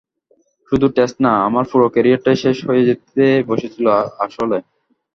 শুধু টেস্ট না, আমার পুরো ক্যারিয়ারটাই শেষ হয়ে যেতে বসেছিল আসলে।